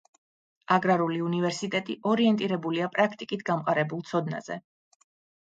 აგრარული უნივერსიტეტი ორიენტირებულია პრაქტიკით გამყარებულ ცოდნაზე.